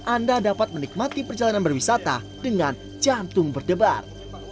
anda dapat menikmati perjalanan berwisata dengan jantung berdebar